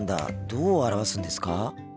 どう表すんですか？